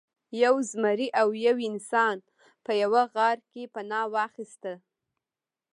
یو زمری او یو انسان په یوه غار کې پناه واخیسته.